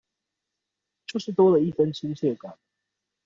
就是多了一分親切感